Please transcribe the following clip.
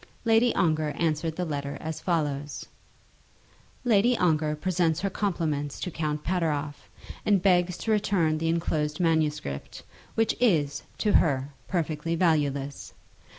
Lady Ongar answered the letter as follows: Lady Ongar presents her compliments to Count Pateroff, and begs to return the enclosed manuscript, which is, to her, perfectly valueless.